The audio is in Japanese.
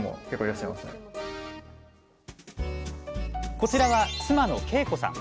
こちらは妻の桂子さん。